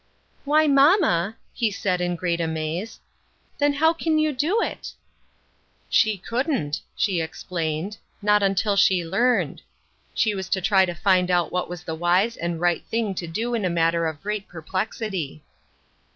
" Why, mamma !" he said, in great amaze. " Then how can you do it ?" She couldn't, she explained, not until she learned. She was to try to find out what was the wise and right thing to do in a matter of great perplexity.